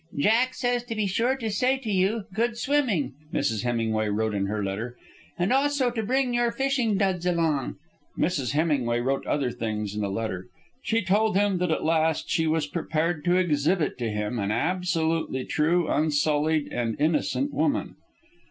"Jack says to be sure to say to you, 'good swimming,'" Mrs. Hemingway wrote in her letter; "and also 'to bring your fishing duds along.'" Mrs. Hemingway wrote other things in the letter. She told him that at last she was prepared to exhibit to him an absolutely true, unsullied, and innocent woman.